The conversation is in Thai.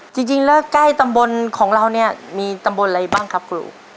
จริงแล้วใกล้ตำบลของเราเนี่ยมีตำบลอะไรบ้างครับครู